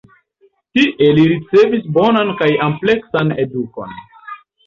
Tie li ricevis bonan kaj ampleksan edukon.